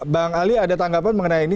bang ali ada tanggapan mengenai ini